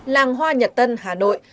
làng hoa nhật tân hà nội